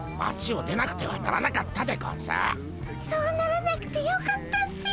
そうならなくてよかったっピ。